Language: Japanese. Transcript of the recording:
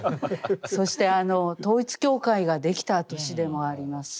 そして統一教会ができた年でもあります。